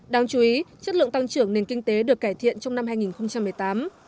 đáng chú ý chất lượng tăng trưởng nền kinh tế được cải thiện trong năm hai nghìn một mươi tám